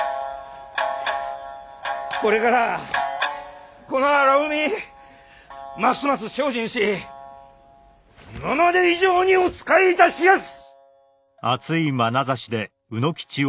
これからこの荒海ますます精進し今まで以上にお仕えいたしやす！